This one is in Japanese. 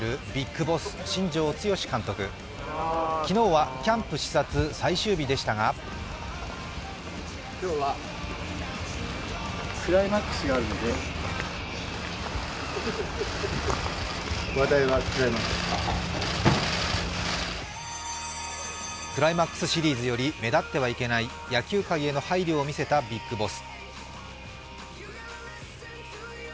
昨日はキャンプ視察最終日でしたがクライマックスシリーズより目立ってはいけない野球界への配慮を見せたビッグボス。